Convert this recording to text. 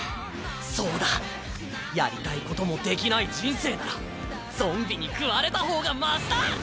そうだやりたいこともできない人生ならゾンビに食われた方がましだ！